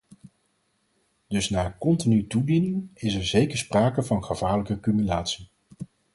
Dus na continue toediening is er zeker sprake van gevaarlijke cumulatie.